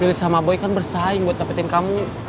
willy sama boy kan bersaing buat nepetin kamu